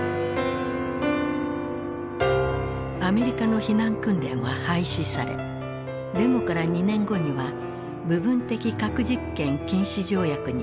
アメリカの避難訓練は廃止されデモから２年後には部分的核実験禁止条約に米ソも署名。